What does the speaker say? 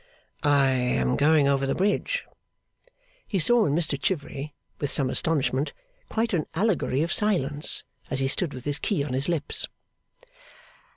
'I am going over the Bridge.' He saw in Mr Chivery, with some astonishment, quite an Allegory of Silence, as he stood with his key on his lips.